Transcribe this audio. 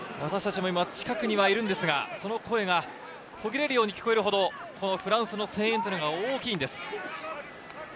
近くにいるんですが、その声が途切れるように聞こえるほどフランスの声援は大きいんです。